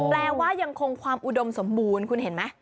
แปลว่ายังคงความอุดมสมบูรณ์คุณเห็นไหม